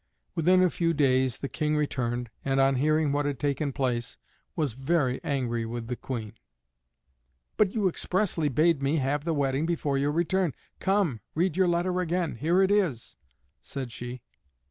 Within a few days the King returned, and on hearing what had taken place was very angry with the Queen. "But you expressly bade me have the wedding before your return. Come, read your letter again, here it is," said she.